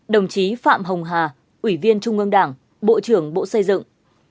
ba mươi ba đồng chí phạm hồng hà ủy viên trung ương đảng bộ trưởng bộ xây dựng